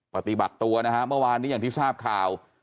ปฏิบัติตัวนะฮะเมื่อวานนี้อย่างที่ทราบข่าว